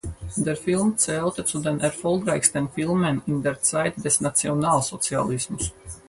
Der Film zählte zu den erfolgreichsten Filmen in der Zeit des Nationalsozialismus.